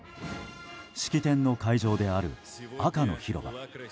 式典の会場である赤の広場。